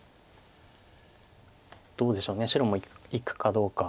どうでしょう白もいくかどうか。